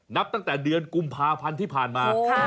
นับตั้งแต่เดือนกุมภาพันธ์ที่ผ่านมา